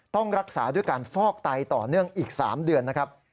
ต้องรักษาด้วยการฟอกไตต่อเนื่องอีก๓เดือนนะครับ